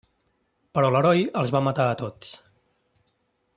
Però l'heroi els va matar a tots.